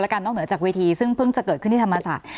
การนอกเหนือจากวีธีซึ่งเพิ่งจะเกิดขึ้นที่ธรรมาสาหร่อย